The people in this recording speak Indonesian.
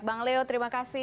bang leo terima kasih